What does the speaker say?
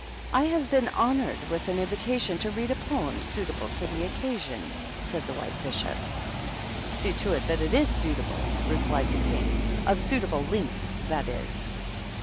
"I have been honored with an invitation to read a poem suitable to the Occasion," said the White Bishop. " See to it that it is suitable," replied the King. "Of suitable lengthy that is."